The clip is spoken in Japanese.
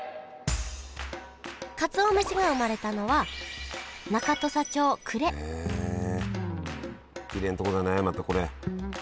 かつお飯が生まれたのは中土佐町久礼きれいなとこだねまたこれ。